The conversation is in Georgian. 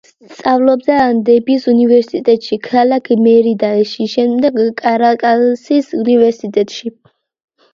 სწავლობდა ანდების უნივერსიტეტში ქალაქ მერიდაში, შემდეგ კარაკასის უნივერსიტეტში.